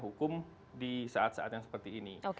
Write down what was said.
hukum di saat saat yang seperti ini